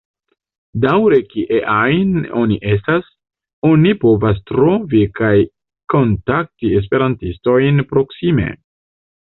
Daŭre kie ajn oni estas, oni povas trovi kaj kontakti esperantistojn proksime.